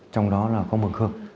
trong đó là có mường khương